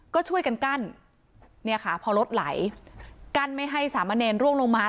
ก็ช่วยกันกั้นเนี่ยค่ะพอรถไหลกั้นไม่ให้สามะเนรร่วงลงมา